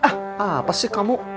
ah apa sih kamu